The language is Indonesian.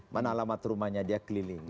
mana alamat rumahnya dia keliling